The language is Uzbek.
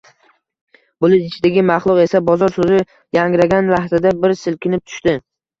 Bulut ichidagi maxluq esa “bozor” so‘zi yangragan lahzada bir silkinib tushdi.